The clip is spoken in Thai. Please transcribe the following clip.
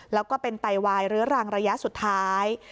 แล้วก็เป็นไตวายเรื้อรังระยะสุดท้าย